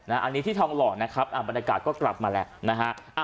อันนี้ที่ทองหล่อนะครับบรรยากาศก็กลับมาแล้วนะฮะ